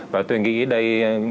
và tôi nghĩ đây